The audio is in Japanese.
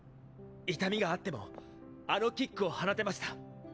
⁉痛みがあってもあのキックを放てました。